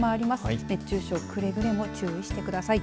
熱中症くれぐれも注意してください。